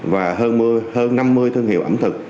và hơn năm mươi thương hiệu ẩm thực